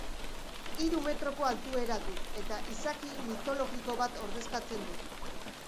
Hiru metroko altuera du eta izaki mitologiko bat ordezkatzen du.